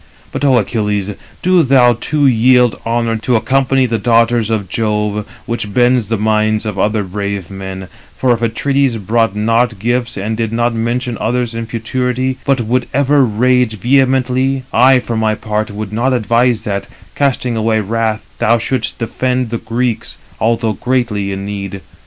But Ο Achilles, do thou too yield honour to accompany the daughters of Jove, which bends the minds of other brave men; for if Atrides brought not gifts, and did not mention others in futurity, but would ever rage vehemently, I for my part would not advise that, casting away wrath, thou shouldst defend the Greeks, although greatly in need.